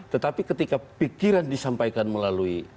tetapi ketika pikiran disampaikan melalui